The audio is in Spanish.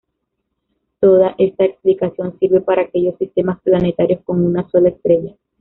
Toda esta explicación sirve para aquellos sistemas planetarios con una sola estrella.